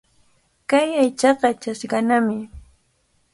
Kay aychaqa chashqanami.